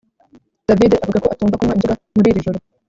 davide avuga ko atumva kunywa inzoga muri iri joro